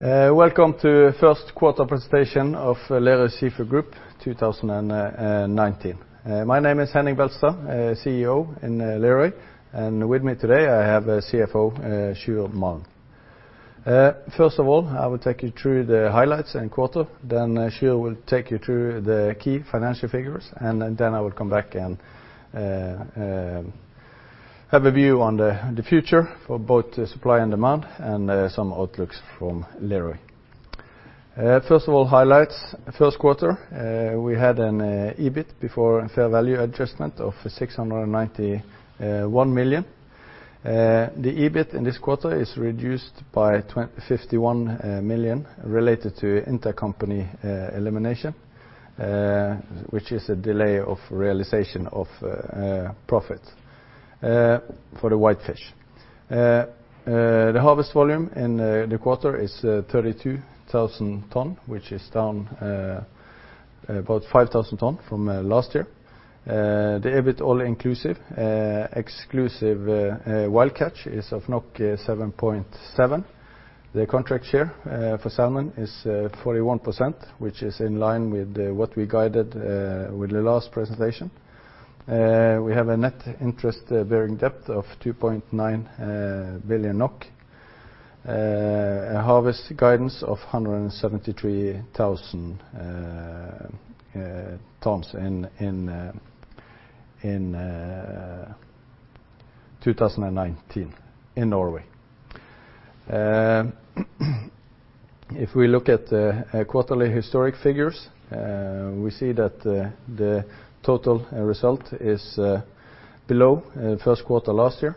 Welcome to first quarter presentation of Lerøy Seafood Group 2019. My name is Henning Beltestad, CEO in Lerøy, and with me today I have the CFO, Sjur Malm. First of all, I will take you through the highlights and quarter, then Sjur will take you through the key financial figures, and then I will come back and have a view on the future for both the supply and demand, and some outlooks from Lerøy. First of all, highlights. First quarter, we had an EBIT before fair value adjustment of 691 million. The EBIT in this quarter is reduced by 51 million related to intercompany elimination, which is a delay of realization of profits for the whitefish. The harvest volume in the quarter is 32,000 tons, which is down about 5,000 tons from last year. The EBIT all inclusive, exclusive wild catch is of 7.7. The contract hshare for salmon is 41%, which is in line with what we guided with the last presentation. We have a net interest-bearing debt of 2.9 billion NOK. A harvest guidance of 173,000 tons in 2019 in Norway. If we look at the quarterly historic figures, we see that the total result is below first quarter last year,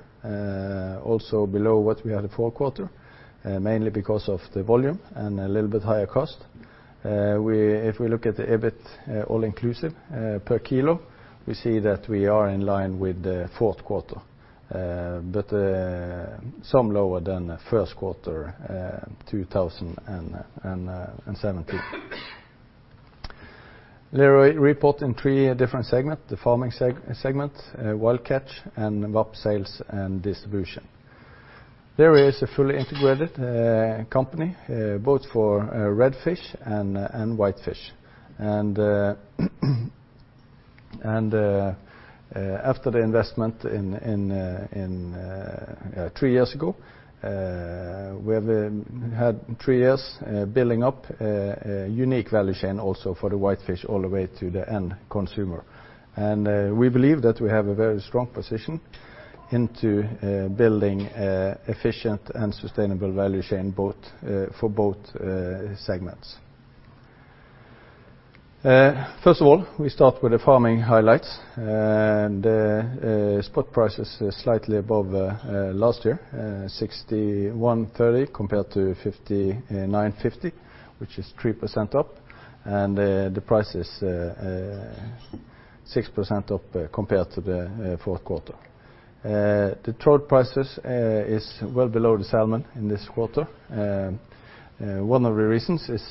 also below what we had the fourth quarter, mainly because of the volume and a little bit higher cost. If we look at the EBIT all-inclusive per kilo, we see that we are in line with the fourth quarter, but some lower than the first quarter 2017. Lerøy report in three different segments, the farming segment, wild catch, and VAP sales and distribution. Lerøy is a fully integrated company both for red fish and whitefish. After the investment three years ago, we have had three years building up a unique value chain also for the whitefish all the way to the end consumer. We believe that we have a very strong position into building efficient and sustainable value chain for both segments. First of all, we start with the farming highlights. The spot price is slightly above last year, 61.30 compared to 59.50, which is 3% up, and the price is 6% up compared to the fourth quarter. The trout prices is well below the salmon in this quarter. One of the reasons is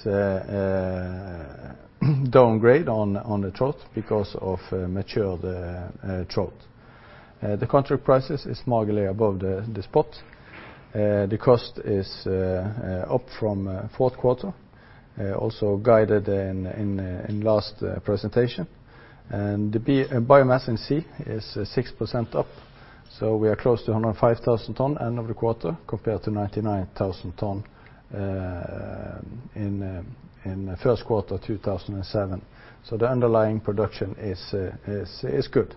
downgrade on the trout because of matured trout. The contract prices is slightly above the spot. The cost is up from fourth quarter, also guided in last presentation. The biomass in sea is 6% up. We are close to 105,000 ton end of the quarter compared to 99,000 ton in first quarter 2007. The underlying production is good.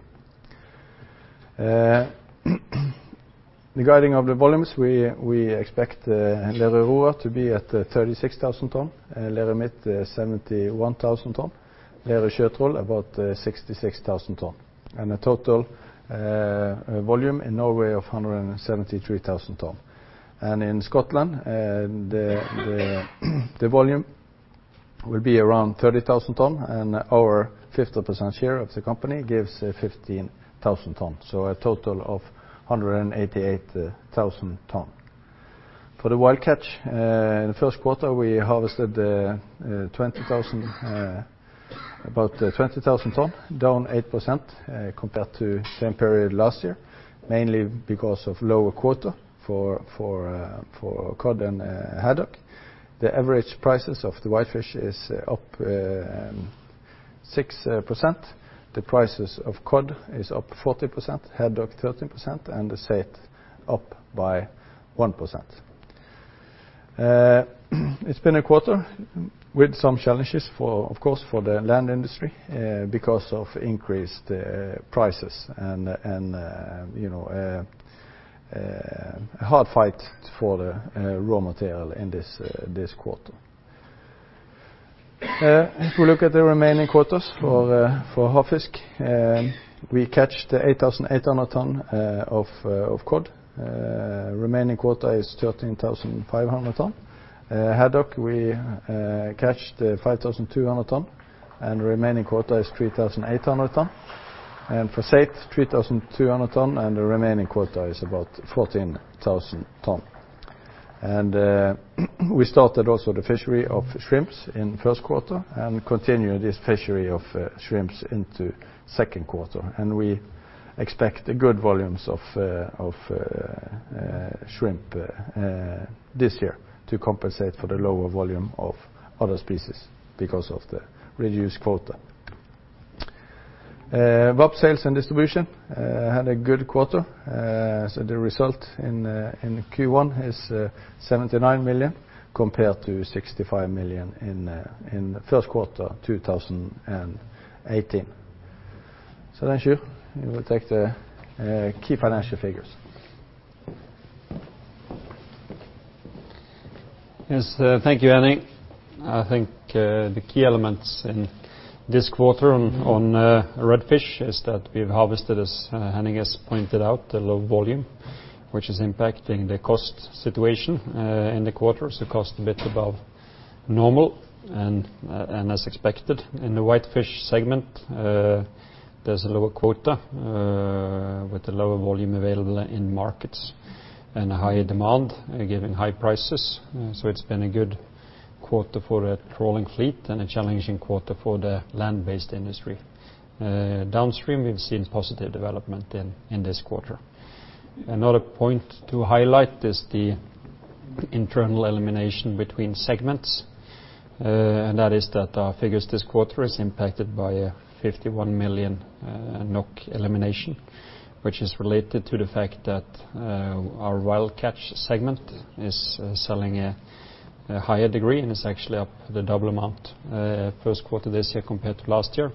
The guiding of the volumes, we expect Lerøy Aurora to be at 36,000 ton, Lerøy Midt 71,000 ton. Lerøy Sjøtroll about 66,000 ton. A total volume in Norway of 173,000 ton. In Scotland, the volume will be around 30,000 ton and our 50% share of the company gives 15,000 ton. A total of 188,000 ton. For the wild catch, in the first quarter we harvested about 20,000 ton, down 8% compared to the same period last year, mainly because of lower quota for cod and haddock. The average prices of the whitefish is up 6%. The prices of cod is up 40%, haddock 30%, and the saithe up by 1%. It's been a quarter with some challenges, of course, for the Lerøy industry because of increased prices and a hard fight for the raw material in this quarter. If we look at the remaining quotas for whitefish, we catch the 8,800 tons of cod. Remaining quota is 13,500 tons. haddock we catch the 5,200 tons and remaining quota is 3,800 tons. For saithe 3,200 tons and the remaining quota is about 14,000 tons. We started also the fishery of shrimps in first quarter and continue this fishery of shrimps into second quarter. We expect good volumes of shrimps this year to compensate for the lower volume of other species because of the reduced quota. VAP Sales and Distribution had a good quarter. The result in Q1 is 79 million, compared to 65 million in the first quarter, 2018. Sjur, you will take the key financial figures. Yes. Thank you, Henning. I think the key elements in this quarter on red fish is that we've harvested, as Henning has pointed out, a low volume, which is impacting the cost situation in the quarter, cost a bit above normal and as expected. In the whitefish segment, there's a lower quota with a lower volume available in markets and a higher demand, giving high prices. It's been a good quarter for the trawling fleet and a challenging quarter for the land-based industry. Downstream, we've seen positive development in this quarter. Another point to highlight is the internal elimination between segments, that is that our figures this quarter is impacted by a 51 million NOK elimination, which is related to the fact that our Wild Catch segment is selling a higher degree and is actually up the double amount first quarter this year compared to last year.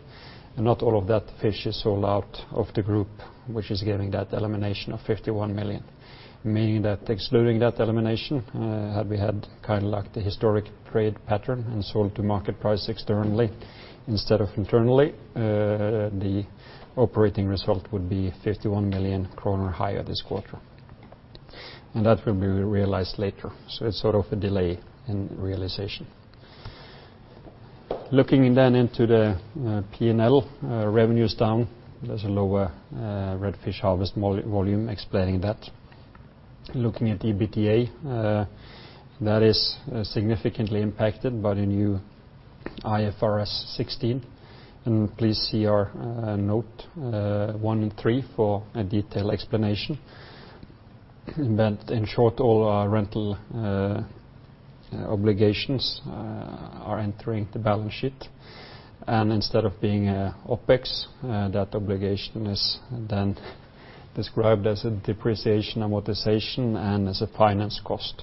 Not all of that fish is sold out of the group, which is giving that elimination of 51 million. Meaning that excluding that elimination, had we had kind of like the historic trade pattern and sold to market price externally instead of internally, the operating result would be 51 million kroner higher this quarter. That will be realized later. It's sort of a delay in realization. Looking into the P&L, revenue's down. There's a lower red fish harvest volume explaining that. Looking at the EBITDA, that is significantly impacted by the new IFRS 16, and please see our note 1.3 for a detailed explanation. In short, all our rental obligations are entering the balance sheet. Instead of being OpEx, that obligation is then described as a depreciation amortization and as a finance cost.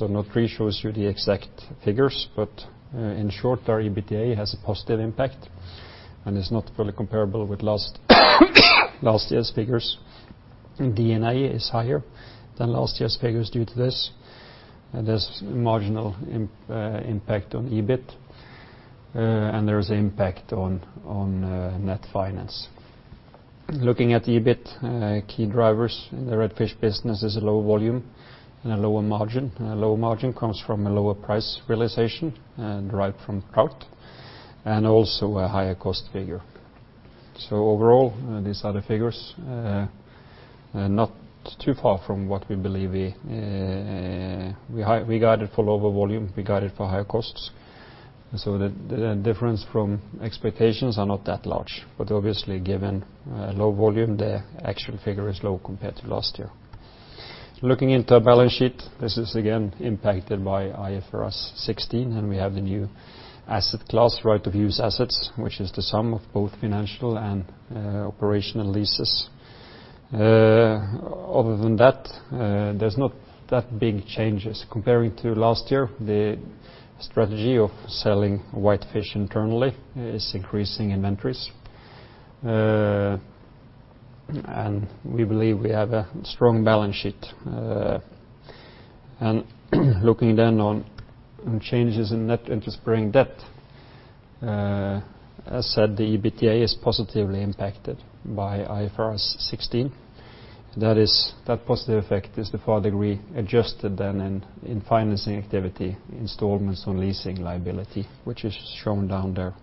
Note three shows you the exact figures, but in short, our EBITDA has a positive impact and is not fully comparable with last year's figures. D&A is higher than last year's figures due to this. There's marginal impact on EBIT, and there is impact on net finance. Looking at the EBIT key drivers in the red fish business is a low volume and a lower margin. Lower margin comes from a lower price realization and derived from trout, and also a higher cost figure. Overall, these are the figures, not too far from what we believe. We guided for lower volume, we guided for higher costs, so the difference from expectations are not that large. Obviously, given low volume, the actual figure is low compared to last year. Looking into our balance sheet, this is again impacted by IFRS 16, and we have the new asset class, right-of-use assets, which is the sum of both financial and operational leases. Other than that, there is not that big changes comparing to last year. The strategy of selling whitefish internally is increasing inventories. We believe we have a strong balance sheet. Looking then on changes in net interest-bearing debt. As said, the EBITDA is positively impacted by IFRS 16. That positive effect is the four-degree adjusted then in financing activity installments on leasing liability, which is shown down there.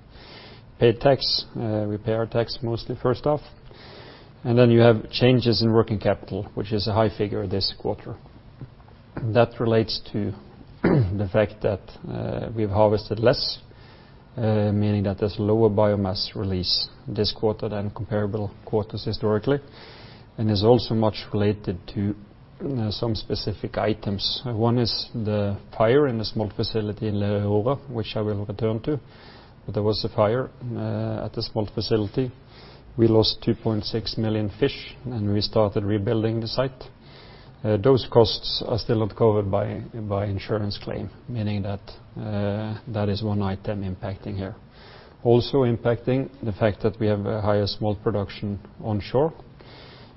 Pay tax, we pay our tax mostly first half. You have changes in working capital, which is a high figure this quarter. That relates to the fact that we've harvested less, meaning that there's lower biomass release this quarter than comparable quarters historically, and is also much related to some specific items. One is the fire in the smolt facility in Laksefjord, which I will return to. There was a fire at the smolt facility. We lost 2.6 million fish, and we started rebuilding the site. Those costs are still not covered by insurance claim, meaning that that is one item impacting here. Impacting the fact that we have a higher smolt production onshore,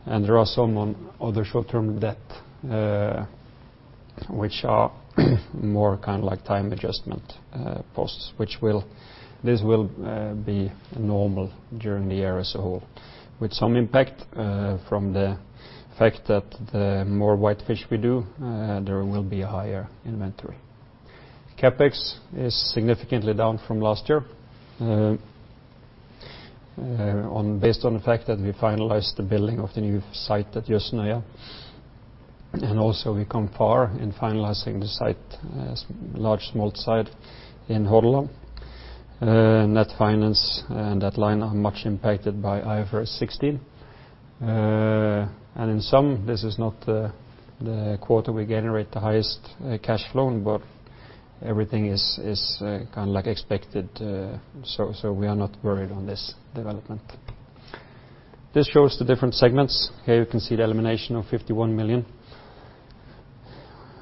and there are some other short-term debt, which are more kind of like time adjustment posts. This will be normal during the year as a whole, with some impact from the fact that the more whitefish we do, there will be a higher inventory. CapEx is significantly down from last year based on the fact that we finalized the building of the new site at Jøssang and also we come far in finalizing the site, a large smolt site in Hordaland. Net finance and that line are much impacted by IFRS 16. In sum, this is not the quarter we generate the highest cash flow, but everything is expected, so we are not worried on this development. This shows the different segments. Here you can see the elimination of 51 million,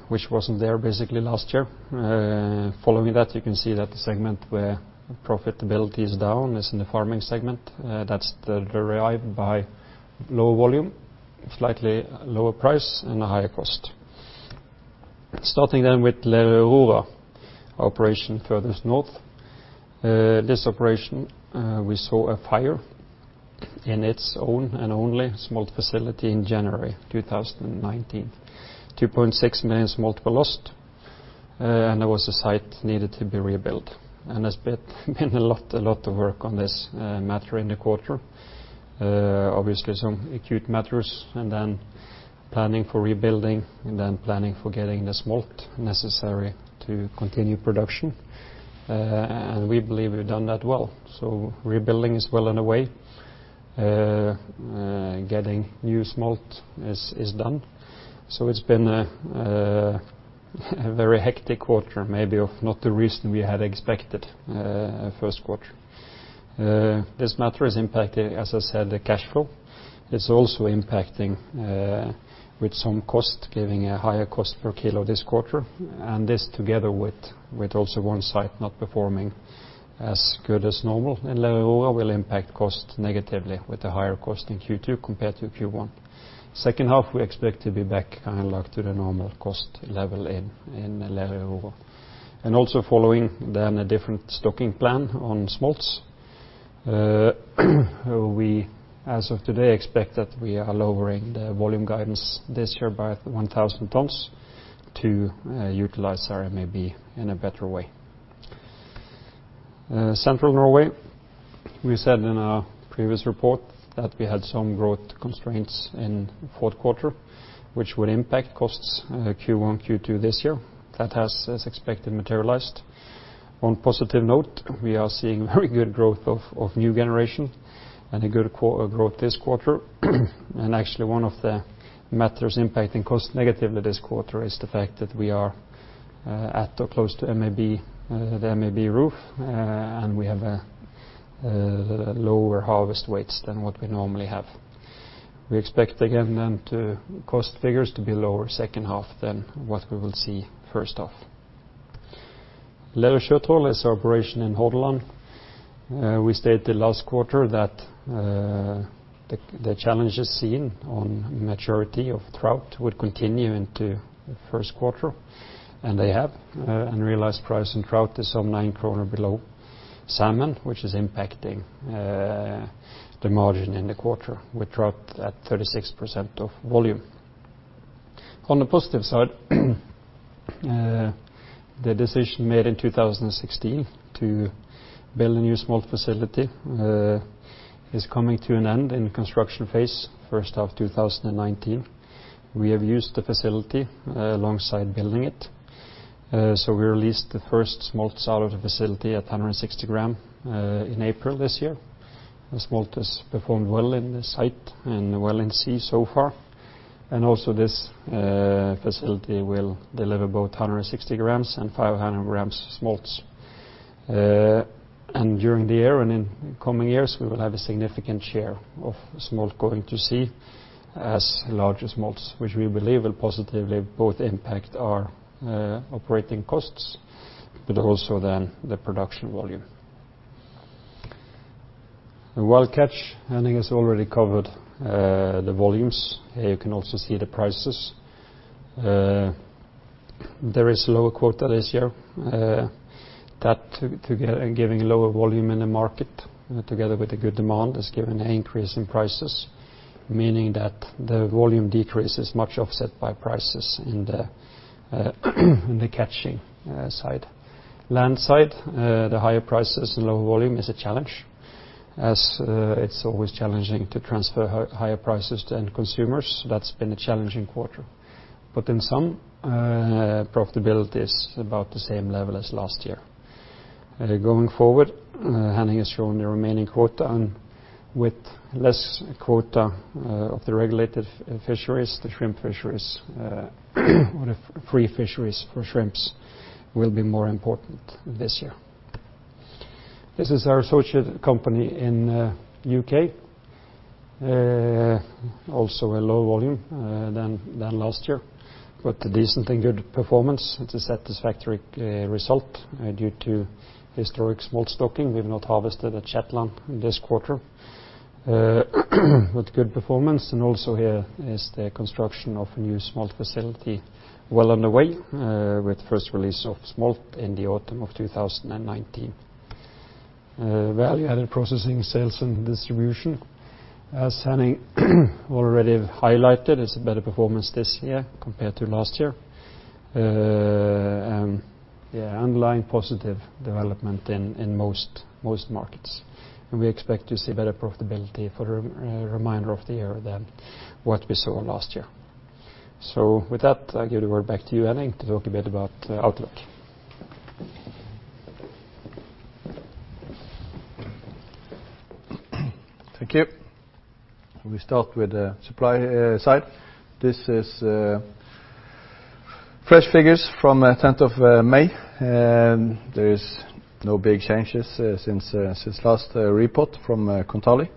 which wasn't there basically last year. Following that, you can see that the segment where profitability is down is in the farming segment. That's derived by low volume, slightly lower price, and a higher cost. Starting with Lerøy Aurora, operation furthest north. This operation, we saw a fire in its own and only smolt facility in January 2019. 2.6 million smolt were lost, there was a site needed to be rebuilt. There's been a lot of work on this matter in the quarter. Obviously some acute matters, planning for rebuilding, planning for getting the smolt necessary to continue production. We believe we've done that well. Rebuilding is well underway. Getting new smolt is done. It's been a very hectic quarter, maybe of not the reason we had expected first quarter. This matter is impacting, as I said, the cash flow. It's also impacting with some cost, giving a higher cost per kilo this quarter. This together with also one site not performing as good as normal in Lerøy Aurora will impact cost negatively with the higher cost in Q2 compared to Q1. Second half, we expect to be back to the normal cost level in Lerøy Aurora. Also following then a different stocking plan on smolts. We, as of today, expect that we are lowering the volume guidance this year by 1,000 tons to utilize our MAB in a better way. Central Norway, we said in our previous report that we had some growth constraints in fourth quarter, which would impact costs Q1, Q2 this year. That has, as expected, materialized. One positive note, we are seeing very good growth of new generation and a good growth this quarter. Actually one of the matters impacting cost negatively this quarter is the fact that we are at or close to the MAB roof, and we have lower harvest weights than what we normally have. We expect again cost figures to be lower second half than what we will see first half. Lerøy Sjøtroll is our operation in Hordaland. We stated last quarter that the challenges seen on maturity of trout would continue into the first quarter, and they have. Realized price in trout is some 9 kroner below salmon, which is impacting the margin in the quarter with trout at 36% of volume. On the positive side, the decision made in 2016 to build a new smolt facility is coming to an end in the construction phase first half 2019. We have used the facility alongside building it. We released the first smolt out of the facility at 160 gram in April this year. The smolt has performed well in the site and well in sea so far. Also this facility will deliver both 160 grams and 500 grams smolts. During the year and in coming years, we will have a significant share of smolt going to sea as larger smolts, which we believe will positively both impact our operating costs, but also then the production volume. The wild catch, I think it's already covered the volumes. Here you can also see the prices. There is lower quota this year. That giving lower volume in the market together with the good demand has given an increase in prices, meaning that the volume decrease is much offset by prices in the catching side. Land side, the higher prices and lower volume is a challenge as it's always challenging to transfer higher prices to end consumers. That's been a challenging quarter. In sum, profitability is about the same level as last year. Going forward, Henning has shown the remaining quota and with less quota of the regulated fisheries, the shrimp fisheries or the free fisheries for shrimps will be more important this year. This is our associate company in U.K. A lower volume than last year, but a decent and good performance. It's a satisfactory result due to historic smolt stocking. We've not harvested at Shetland this quarter. Good performance and also here is the construction of a new smolt facility well underway, with first release of smolt in the autumn of 2019. Value-added processing, sales and distribution. As Henning already highlighted, it's a better performance this year compared to last year. Underlying positive development in most markets. We expect to see better profitability for the remainder of the year than what we saw last year. With that, I give it back to you, Henning, to talk a bit about the outlook. Thank you. We start with the supply side. These are fresh figures from the 10th of May, there's no big changes since last report from Kontali.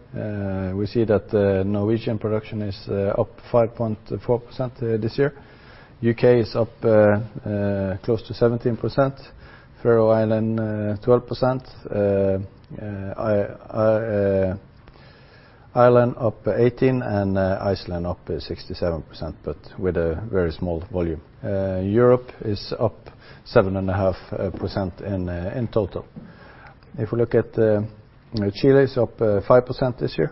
We see that Norwegian production is up 5.4% this year. U.K. is up close to 17%, Faroe Islands 12%, Ireland up 18%, Iceland up 67%, with a very small volume. Europe is up 7.5% in total. If you look at Chile, it's up 5% this year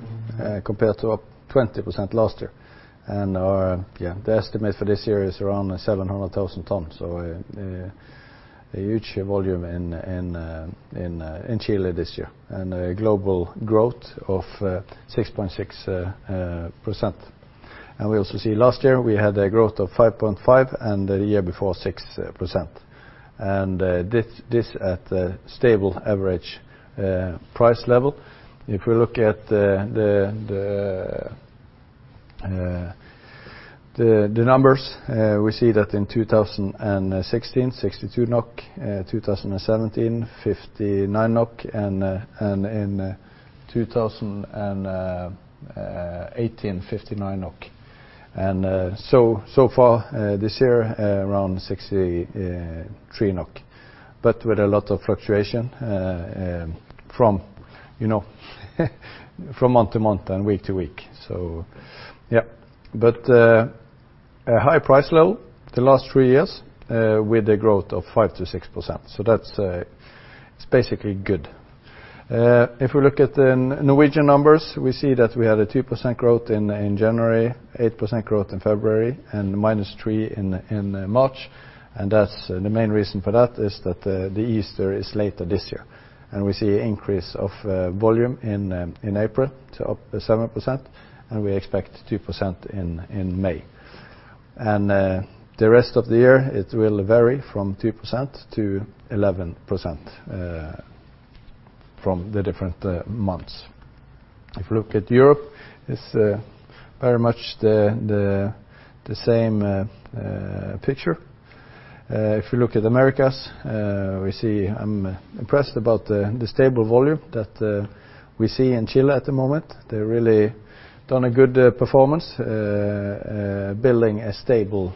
compared to up 20% last year, our estimate for this year is around 700,000 tons. A huge volume in Chile this year and a global growth of 6.6%. We also see last year we had a growth of 5.5% and the year before 6%. This at the stable average price level. If we look at the numbers, we see that in 2016, 62 NOK, 2017, 59 NOK, and in 2018, 59 NOK. So far this year, around 63 NOK, but with a lot of fluctuation from month to month and week to week. Yeah. A high price level the last three years with a growth of 5%-6%. That's basically good. If we look at the Norwegian numbers, we see that we had a 2% growth in January, 8% growth in February, and minus 3% in March. The main reason for that is that Easter is later this year. We see increase of volume in April to up to 7%, and we expect 2% in May. The rest of the year, it will vary from 2% to 11% from the different months. If you look at Europe, it's very much the same picture. If you look at Americas, I'm impressed about the stable volume that we see in Chile at the moment. They've really done a good performance, building a stable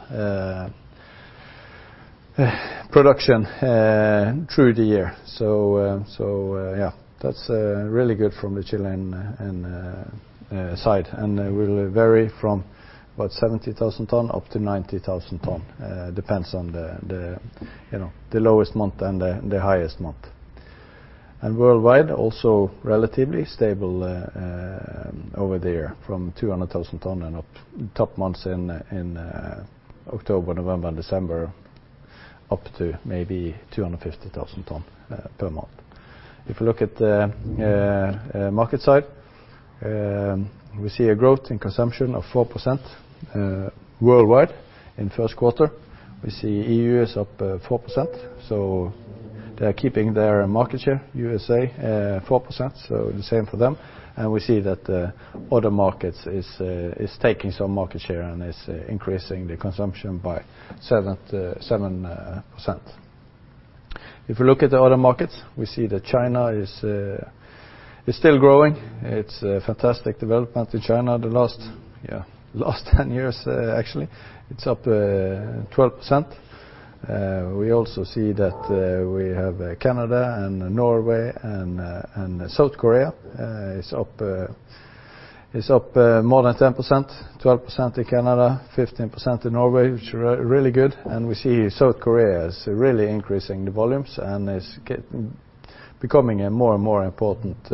production through the year. Yeah, that's really good from the Chilean side. They will vary from about 70,000 tons-90,000 tons, depends on the lowest month and the highest month. Worldwide, also relatively stable over there from 200,000 tons and up top months in October, November, December, up to maybe 250,000 tons per month. If you look at the market side, we see a growth in consumption of 4% worldwide in first quarter. We see EU is up 4%, so they're keeping their market share. U.S.A., 4%, so the same for them. We see that other markets is taking some market share and is increasing the consumption by 7%. If you look at the other markets, we see that China is still growing. It's a fantastic development in China the last 10 years, actually. It's up 12%. We also see that we have Canada and Norway and South Korea is up more than 10%, 12% in Canada, 15% in Norway, which is really good. We see South Korea is really increasing the volumes and is becoming a more and more important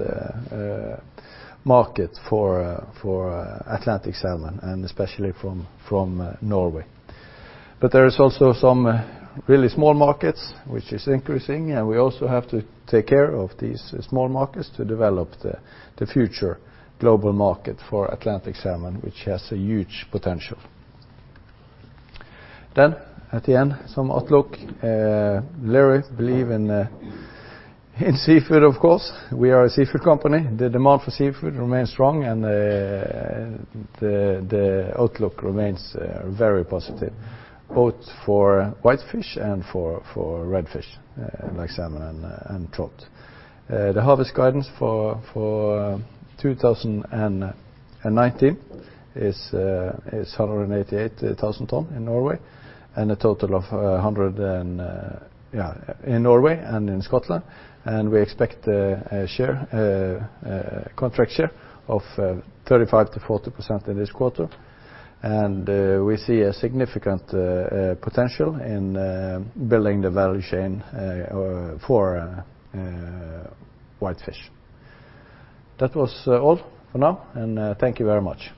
market for Atlantic salmon and especially from Norway. There is also some really small markets which is increasing, and we also have to take care of these small markets to develop the future global market for Atlantic salmon, which has a huge potential. At the end, some outlook. Lerøy believe in seafood of course. We are a seafood company. The demand for seafood remains strong and the outlook remains very positive both for whitefish and for red fish like salmon and trout. The harvest guidance for 2019 is 188,000 tons in Norway and a total of 100 tons in Norway and in Scotland. We expect a contract share of 35%-40% in this quarter. We see a significant potential in building the value chain for whitefish. That was all for now, and thank you very much.